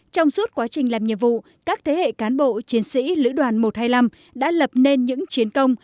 trong suốt quá trình làm nhiệm vụ các thế hệ cán bộ chiến sĩ lữ đoàn một trăm hai mươi năm đã lập nên những chiến công